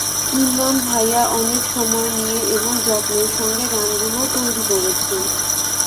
ইমরান ভাইয়া অনেক সময় নিয়ে এবং যত্নের সঙ্গে গানগুলো তৈরি করছেন।